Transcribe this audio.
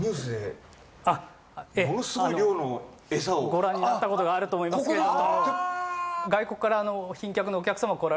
ご覧になったことがあると思いますけれども。